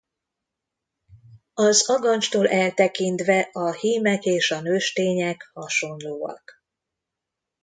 Az agancstól eltekintve a himek és a nőstények hasonlóak.